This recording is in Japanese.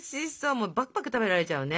もうパクパク食べられちゃうね。